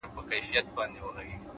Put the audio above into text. د پرمختګ راز په دوام کې دی،